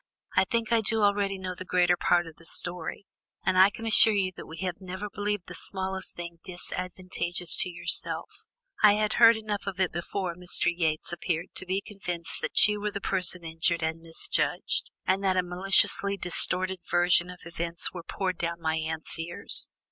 "I think I do already know the greater part of the story, and I can assure you that we have never believed the smallest thing disadvantageous to yourself. I had heard enough of it before Mr. Yates appeared to be convinced that you were the person injured and misjudged, and that a maliciously distorted version of events was poured down my aunt's ears.